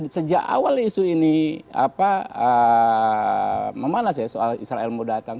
sejak awal isu ini memanas ya soal israel mau datang